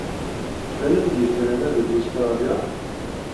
Ttbanen-d yetran-a deg Ustṛalya?